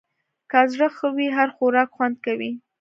که زړه ښه وي، هر خوراک خوند کوي.